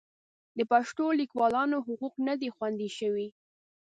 د پښتو لیکوالانو حقوق نه دي خوندي شوي.